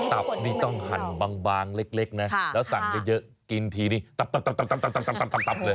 ตับนี่ต้องหั่นบางเล็กนะแล้วสั่งเยอะกินทีนี้ตับเลย